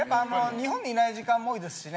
日本にいない時間も多いですしね。